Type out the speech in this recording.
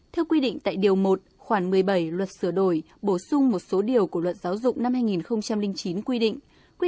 theo quy định tại điều một khoản một mươi bảy luật sửa đổi bổ sung một số điều của luật giáo dục năm hai nghìn chín quy định